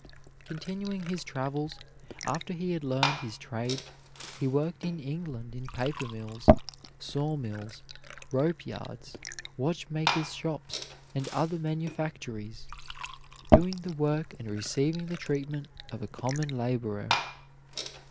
Continuing his travels, after he had learned his trade, he worked in England in paper mills, saw mills, rope yards, watchmakers' shops, and other manufactories, doing the work and receiving the treatment of a common laborer.